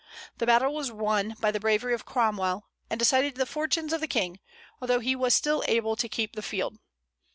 The battle was won by the bravery of Cromwell, and decided the fortunes of the King, although he was still able to keep the field.